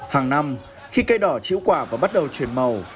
hàng năm khi cây đỏ chữ quả và bắt đầu chuyển màu